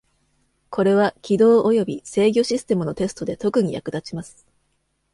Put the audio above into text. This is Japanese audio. これは、起動および制御システムのテストで特に役立ちます。